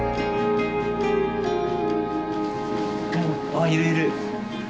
あいるいる。